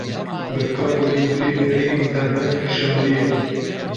Bi kabloyên fîberê înternet kişandiye.